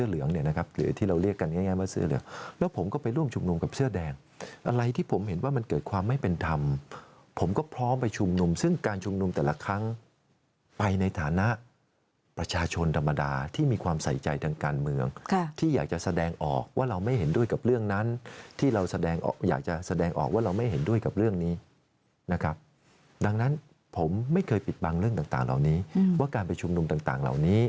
แล้วผมก็ไปร่วมชุมนุมกับเสื้อแดงอะไรที่ผมเห็นว่ามันเกิดความไม่เป็นธรรมผมก็พร้อมไปชุมนุมซึ่งการชุมนุมแต่ละครั้งไปในฐานะประชาชนธรรมดาที่มีความใส่ใจทางการเมืองที่อยากจะแสดงออกว่าเราไม่เห็นด้วยกับเรื่องนั้นที่เราอยากจะแสดงออกว่าเราไม่เห็นด้วยกับเรื่องนี้นะครับดังนั้นผมไม่เคยปิดบังเรื่องต่าง